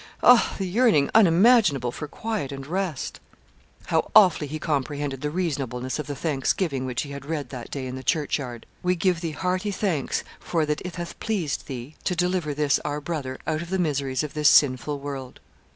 Oh, the yearning unimaginable for quiet and rest! How awfully he comprehended the reasonableness of the thanksgiving which he had read that day in the churchyard 'We give Thee hearty thanks for that it hath pleased Thee to deliver this our brother out of the miseries of this sinful world.'